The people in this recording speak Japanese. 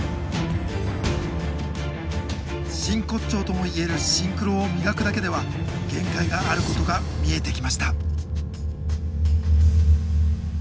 真骨頂とも言えるシンクロを磨くだけでは限界があることが見えてきました。